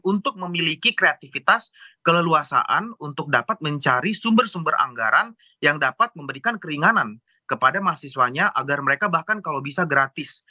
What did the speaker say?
untuk memiliki kreativitas keleluasaan untuk dapat mencari sumber sumber anggaran yang dapat memberikan keringanan kepada mahasiswanya agar mereka bahkan kalau bisa gratis